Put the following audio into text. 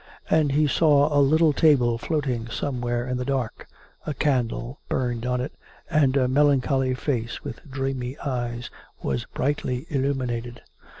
And he saw a little table floating some where in the dark ; a candle burned on it ; and a melancholy face with dreamy eyes was brightly illuminated.